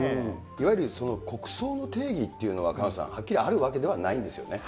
いわゆる国葬の定義っていうのは、萱野さん、はっきりあるわけではないんですよね。